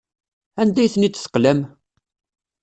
Anda ay ten-id-teqlam?